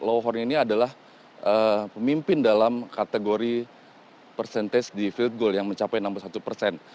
lovern ini adalah pemimpin dalam kategori persentase di field goal yang mencapai enam puluh satu persen